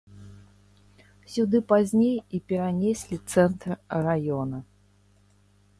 Сюды пазней і перанеслі цэнтр раёна.